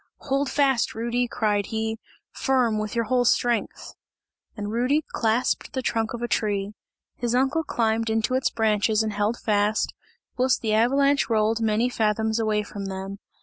"Hold fast, Rudy," cried he, "firm, with your whole strength!" And Rudy clasped the trunk of a tree; his uncle climbed into its branches and held fast, whilst the avalanche rolled many fathoms away from them.